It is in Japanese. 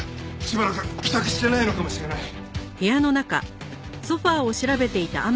しばらく帰宅してないのかもしれない。